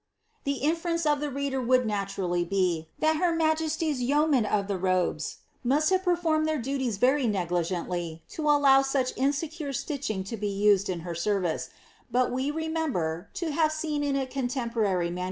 ^' The inference of the reader would naturally be, that her majesty's yeo men of the robes must have performed their duties very negligently to allow such insecure stitching to be used in her service; but we remem ber to have seen in a contemporary MS.